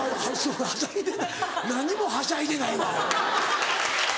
はしゃいでない何にもはしゃいでないわ。